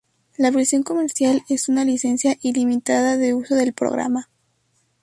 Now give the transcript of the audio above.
La versión comercial es una licencia ilimitada de uso del programa.